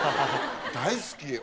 大好き！